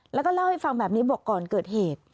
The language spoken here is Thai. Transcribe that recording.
แล้วก็เล่าให้ฟังแบบนี้บอกก่อนเกิดเหตุ